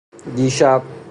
دیشب